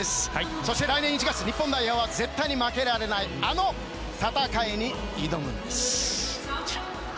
そして来年１月、日本代表は絶対に負けられないあの戦いに挑むんです。